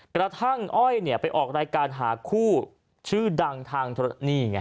กระทั่งอ้อยไปออกรายการหาคู่ชื่อดังทางธรณีไง